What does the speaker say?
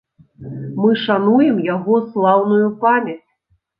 Мы шануем яго слаўную памяць.